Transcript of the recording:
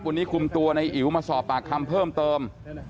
วันนี้คุมตัวในอิ๋วมาสอบปากคำเพิ่มเติม